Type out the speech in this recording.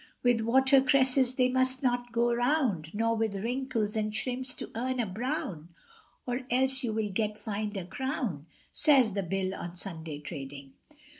With watercresses they must not go round, Nor with winkles or shrimps to earn a brown, Or else you will get fined a crown, Says the Bill on Sunday trading.